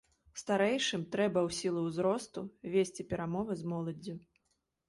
Старэйшым трэба ў сілу ўзросту весці перамовы з моладдзю.